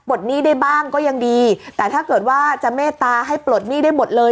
หนี้ได้บ้างก็ยังดีแต่ถ้าเกิดว่าจะเมตตาให้ปลดหนี้ได้หมดเลย